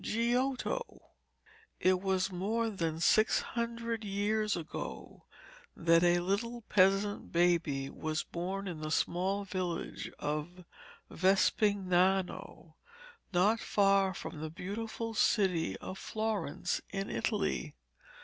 GIOTTO It was more than six hundred years ago that a little peasant baby was born in the small village of Vespignano, not far from the beautiful city of Florence, in Italy.